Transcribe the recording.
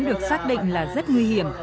được xác định là rất nguy hiểm